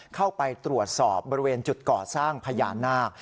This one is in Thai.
เข้าไปตรวจสอบบริเวณจุดก่อสร้างพญานาค